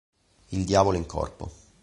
Il diavolo in corpo